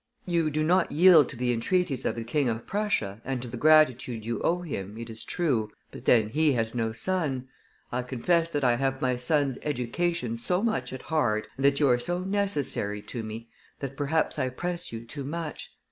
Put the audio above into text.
You do not yield to the entreaties of the King of Prussia, and to the gratitude you owe him, it is true, but then he has no son. I confess that I have my son's education so much at heart, and that you are so necessary to me, that perhaps I press you too much.